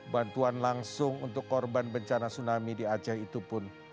bantuan langsung untuk korban bencana tsunami di aceh itu pun